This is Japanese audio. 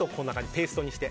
ペーストにして。